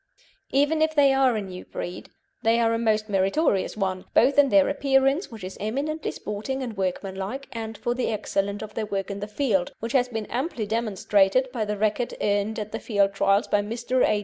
Even if they are a new breed, they are a most meritorious one, both in their appearance, which is eminently sporting and workmanlike, and for the excellence of their work in the field, which has been amply demonstrated by the record earned at the field trials by Mr. A.